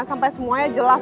sampai semuanya jelas